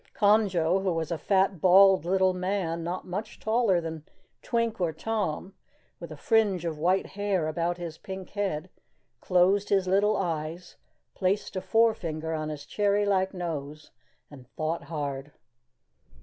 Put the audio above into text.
Conjo, who was a fat, bald little man, not much taller than Twink or Tom, with a fringe of white hair about his pink head, closed his little eyes, placed a forefinger on his cherry like nose, and thought hard.